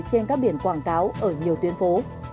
trên các biển quảng cáo ở nhiều tuyến phố